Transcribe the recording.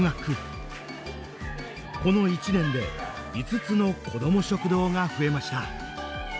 この一年で５つの「子ども食堂」が増えました。